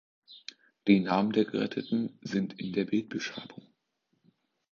Die Namen der Geretteten sind in der Bildbeschreibung.